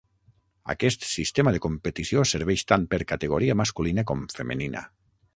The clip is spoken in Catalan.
Aquest sistema de competició serveix tant per categoria masculina com femenina.